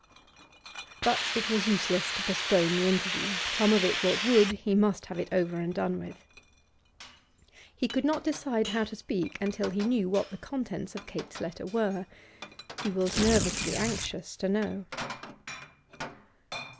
But it was useless to postpone the interview; come of it what would, he must have it over and done with. He could not decide how to speak until he knew what the contents of Kate's letter were. He was nervously anxious to know.